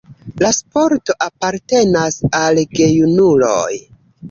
La sporto apartenas al gejunuloj.